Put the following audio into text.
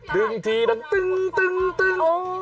ดึงทีดึงดึง